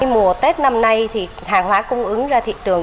mùa tết năm nay thì hàng hóa cung ứng ra thị trường